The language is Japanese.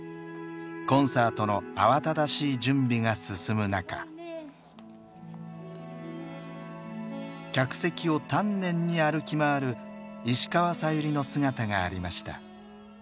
コンサートの慌ただしい準備が進む中客席を丹念に歩き回る石川さゆりの姿がありました。